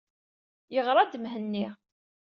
Yeɣra-d Mhenni.